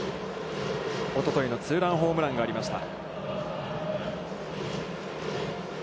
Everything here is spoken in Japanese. おとといのツーランホームランがありました。